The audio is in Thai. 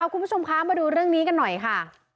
คุณผู้ชมคะมาดูเรื่องนี้กันหน่อยค่ะ